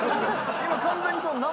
今完全に。